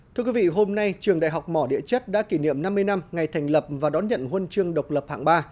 thưa quý vị hôm nay trường đại học mỏ địa chất đã kỷ niệm năm mươi năm ngày thành lập và đón nhận huân chương độc lập hạng ba